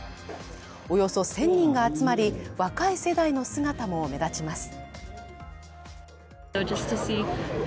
およそ１０００人が集まり、若い世代の姿も目立ちます。